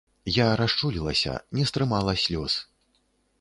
Я расчулілася, не стрымала слёз.